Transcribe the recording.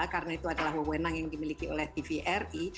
karena itu adalah wewenang yang dimiliki oleh tvri